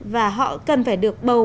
và họ cần phải được bầu